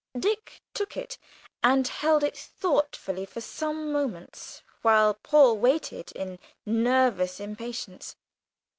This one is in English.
Dick took it, and held it thoughtfully for some moments, while Paul waited in nervous impatience.